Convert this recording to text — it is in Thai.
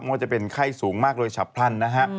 มันก็จะเป็นไข้สูงมากโดยฉับพรรณนะฮะ